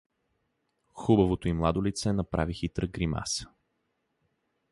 Хубавото и младо лице направи хитра гримаса.